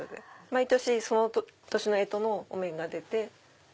毎年その年の干支のお面が出て。